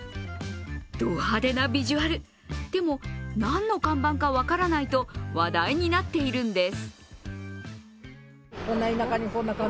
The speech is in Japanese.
ド派手なビジュアル、でも、何の看板か分からないと話題になっているんです。